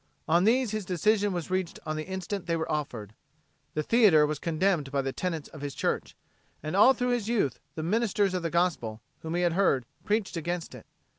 On these his decision was reached on the instant they were offered. The theater was condemned by the tenets of his church, and all through his youth the ministers of the gospel, whom he had heard, preached against it.